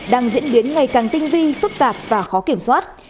đang diễn biến ngày càng tinh vi phức tạp và khó kiểm soát